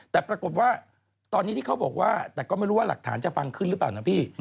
แต่ปรากฏว่าตอนนี้ที่เขาบอกว่าแต่ก็ไม่รู้ว่าหลักฐานจะฟังขึ้นหรือเปล่านะพี่